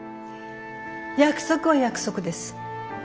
約束は約束です。